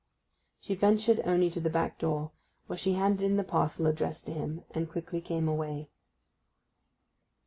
She ventured only to the back door, where she handed in the parcel addressed to him, and quickly came away.